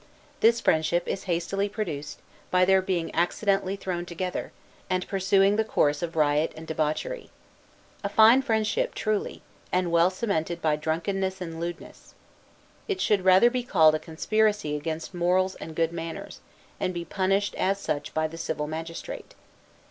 This friendship is hastily produced, by their being accidentally thrown together, and pursuing the course of riot and debauchery. A fine friendship, truly; and well cemented by drunkenness and lewdness. It should rather be called a conspiracy against morals and good manners, and be punished as such by the civil magistrate.